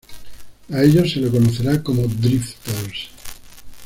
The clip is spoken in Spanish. A ellos se les conocerá como "Drifters".